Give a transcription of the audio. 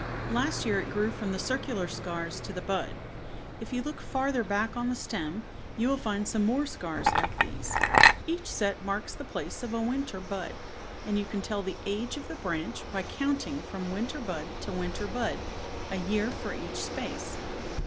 Last year it grew from the cir cular scars to the bud. If you look >, Twig OF Apple farther back on the stem, you will find some more scars like these. Each set marks the place of a winter bud, and you can tell the age of the branch by counting from winter bud to winter bud, a year for each space.